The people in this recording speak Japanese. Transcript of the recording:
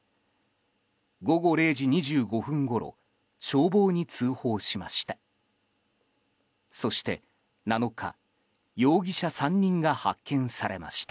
午後０時２５分ごろ消防に通報しました。